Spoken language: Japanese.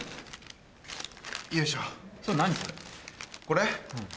これ？